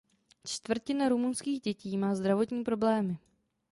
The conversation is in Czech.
Čtvrtina rumunských dětí má zdravotní problémy.